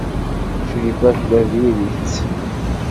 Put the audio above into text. Crifa tella diri-tt.